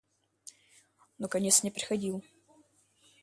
Но конец не приходил.